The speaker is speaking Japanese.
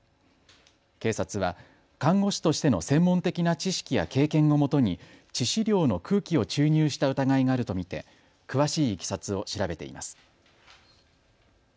警察は看護師としての専門的な知識や経験をもとに致死量の空気を注入した疑いがあると見て詳しいいきさつを調べています。